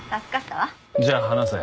じゃあ話せ。